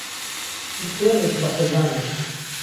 بتوێنت به قوربان بێ